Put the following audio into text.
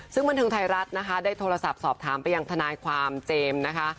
ซึ่งบันเทิงไทยรัฐนะคะได้โทรศัพท์สอบถามไปยังทนายความเจมส์นะคะ